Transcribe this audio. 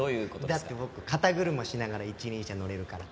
だって僕肩車しながら一輪車乗れるから。